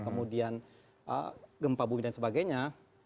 kemudian gempa bumi dan sebagainya